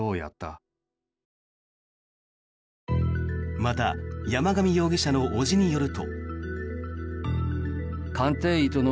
また、山上容疑者の伯父によると。